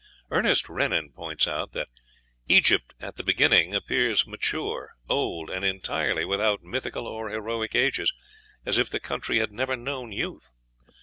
Ernest Renan points out that "Egypt at the beginning appears mature, old, and entirely without mythical and heroic ages, as if the country had never known youth.